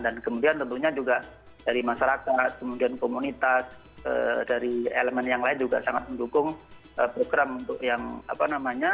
dan kemudian tentunya juga dari masyarakat kemudian komunitas dari elemen yang lain juga sangat mendukung program untuk yang apa namanya